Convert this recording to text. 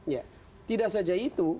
ya tidak saja itu